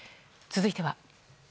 続いては。